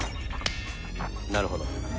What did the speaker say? なるほど。